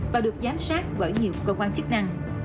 và được giám sát bởi nhiều cơ quan chức năng